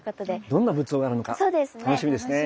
どんな仏像があるのか楽しみですね。